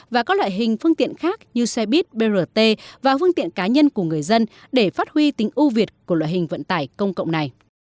và các loại hình phương tiện khác như xe buýt brt và phương tiện cá nhân của người dân để phát huy tính ưu việt của loại hình vận tải công cộng này